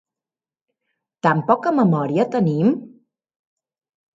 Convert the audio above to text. Tan poca memòria tenim?.